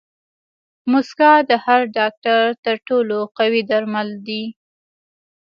موسکا د هر ډاکټر تر ټولو قوي درمل دي.